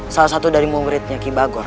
salah satu dari muridnya kibagon